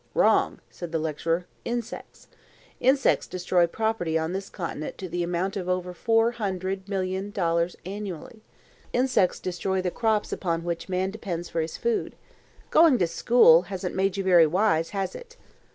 "Wrong," said the lecturer. "Insects. Insects destroy property on this continent to the amount of over four hundred million dollars annually. Insects destroy the crops upon which man depends for his food. Going to school hasn't made you very wise, has it?